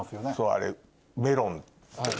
あれメロンって。